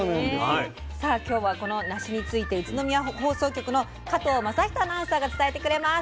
さあ今日はこのなしについて宇都宮放送局の加藤成史アナウンサーが伝えてくれます。